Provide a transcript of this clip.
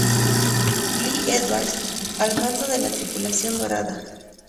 Lee Edwards al mando de la tripulación dorada.